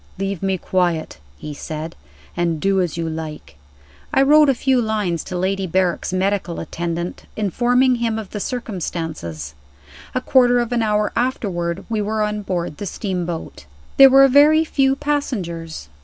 "Leave me quiet," he said; "and do as you like." I wrote a few lines to Lady Berrick's medical attendant, informing him of the circumstances. A quarter of an hour afterward we were on board the steamboat. There were very few passengers.